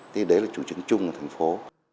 thì đấy là chủ trưng chung của thành phố